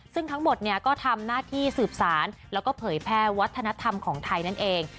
ซึ่งทั้งหมดเนี่ยก็ทำหน้าที่สืบสารแล้วก็เผยแพร่วัฒนธรรมของไทยนั่นเอง